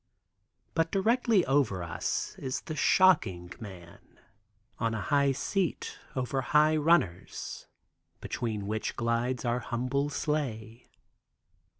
But directly over us is the shocking man, on a high seat, over high runners, between which glides our humble sleigh.